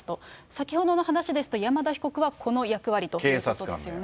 先ほどの話ですと、山田被告はこの役割ということですよね。